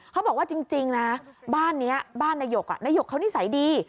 เขาบอกว่าจริงนะบ้านนายกนิสัยดี